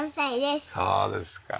そうですか。